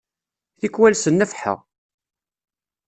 Tikwal s nnefḥa!